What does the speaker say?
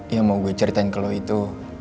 yang mau gue ceritain ke lo itu